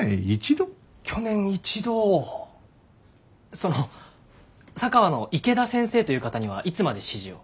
その佐川の池田先生という方にはいつまで師事を？